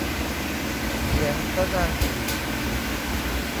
เขียงพระนางอี่